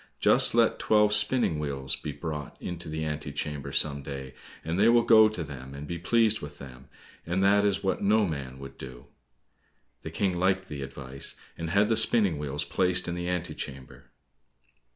Just let twelve spinning wheels be brought into the ante chamber some day, and they will go to them and be pleased with them, and that is what no man would do." The King liked the advice, and had the spinning wheels placed in the ante chamber.